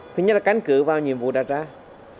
thứ nhất là căn cứ vào nhiệm vụ đ benjamin dior